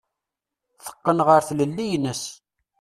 Teqqen ɣer tlelli-ines.